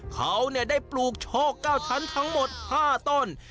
เขาได้ปลูกโชค๙ชั้นทั้งหมด๕ต้น